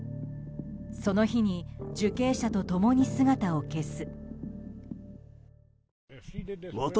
その日に受刑者と共に姿を消す。